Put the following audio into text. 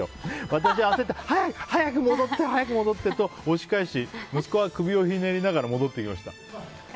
私は焦って早く戻って早く戻って！と押し返し、息子は首をひねりながら戻っていきました。